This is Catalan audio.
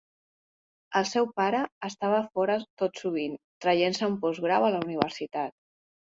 El seu pare estava fora tot sovint traient-se un postgrau a la universitat.